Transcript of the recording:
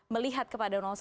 melihat kepada satu